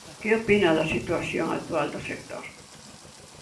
Que opina da situación actual do sector?